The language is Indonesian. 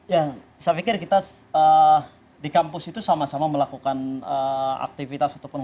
ya saya pikir kita di kampus itu sama sama melakukan aktivitas ataupun